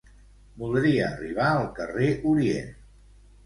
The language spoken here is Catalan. Voldria arribar al carrer Orient.